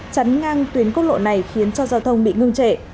chắn ngang tuyến quân lộ này khiến cho giao thông bị ngưng trễ